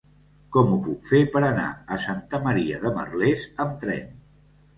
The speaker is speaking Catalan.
Com ho puc fer per anar a Santa Maria de Merlès amb tren?